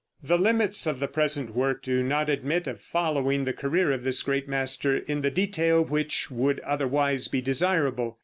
The limits of the present work do not admit of following the career of this great master in the detail which would otherwise be desirable.